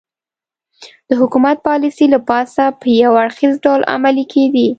د حکومت پالیسۍ له پاسه په یو اړخیز ډول عملي کېدې